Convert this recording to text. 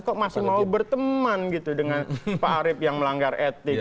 kok masih mau berteman gitu dengan pak arief yang melanggar etik